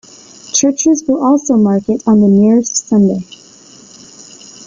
Churches will also mark it on the nearest Sunday.